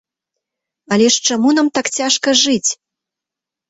Але ж чаму нам так цяжка жыць?